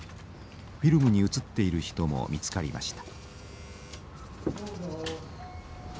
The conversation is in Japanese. フィルムに写っている人も見つかりました。